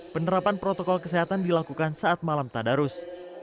penerapan protokol kesehatan dilakukan saat malam tadarus